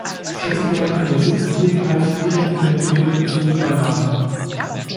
Ich hätte gern eine Sitzgelegenheit direkt in der Küche, so wie bei Martha.